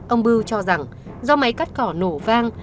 ông bưu cho rằng do máy cắt cỏ nổ vang